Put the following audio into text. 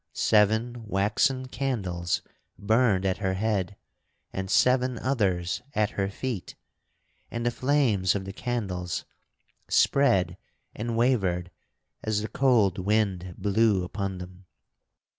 Seven waxen candles burned at her head, and seven others at her feet, and the flames of the candles spread and wavered as the cold wind blew upon them.